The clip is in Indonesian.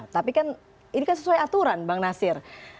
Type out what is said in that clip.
tapi kan ini kan sesuai aturan bang nasir